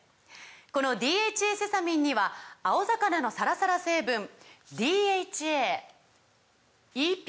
この「ＤＨＡセサミン」には青魚のサラサラ成分ＤＨＡＥＰＡ